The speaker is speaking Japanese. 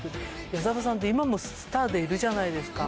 矢沢さんって今もスターでいるじゃないですか。